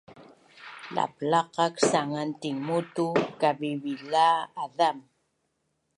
Laplaqak sangan tingmut tu kavivila’ azam